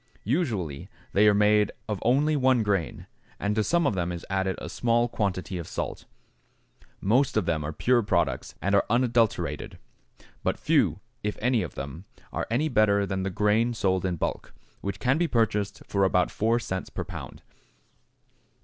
Usually they are made of only one grain, and to some of them is added a small quantity of salt. Most of them are pure products and are unadulterated, but few, if any of them, are any better than the grain sold in bulk, which can be purchased for about 4 cents per pound.